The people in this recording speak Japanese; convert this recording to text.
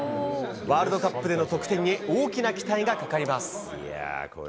ワールドカップでの得点に大きな期待がかかります。